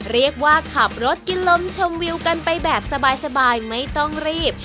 เรียกว่าขับรถกินลมชมวิวกันไปแบบสบายไม่ต้องรีบ